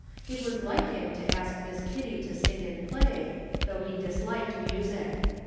It was like him to ask Miss Kitty to sing and play, though he disliked music.